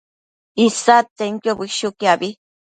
isadtsenquio bëshuquiabi